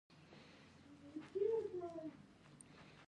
خپل د زیږی و نېټه ولیکل